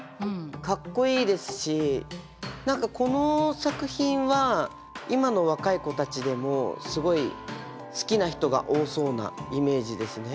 かっこいいですし何かこの作品は今の若い子たちでもすごい好きな人が多そうなイメージですね。